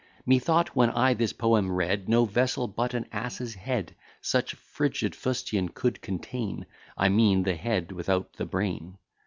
Methought, when I this poem read, No vessel but an ass's head Such frigid fustian could contain; I mean, the head without the brain.